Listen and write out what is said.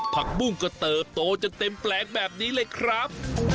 ผักบุ้งก็เติบโตจนเต็มแปลงแบบนี้เลยครับ